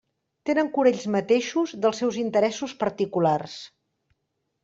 Tenen cura ells mateixos dels seus interessos particulars.